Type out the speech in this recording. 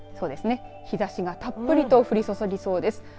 日ざしがたっぷりと降り注ぎそうです。